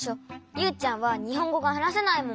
ユウちゃんはにほんごがはなせないもん。